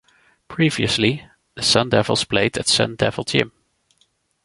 Previously, the Sun Devils played at Sun Devil Gym.